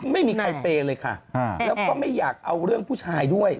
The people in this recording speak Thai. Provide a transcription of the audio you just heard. ไม่มีใครเปย์เลยค่ะแล้วก็ไม่อยากเอาเรื่องผู้ชายด้วย